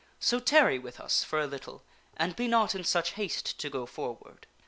So tarry with us for a little and be not in such haste to go for ward."